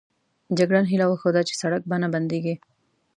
جګړن هیله وښوده چې سړک به نه بندېږي.